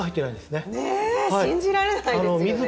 ねぇ信じられないですよね。